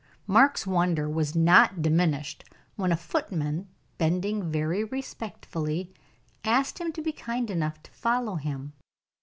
Mark's wonder was not diminished when a footman, bending very respectfully, asked him to be kind enough to follow him.